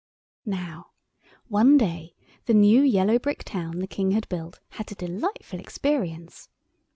Now one day the new yellow brick town the King had built had a delightful experience.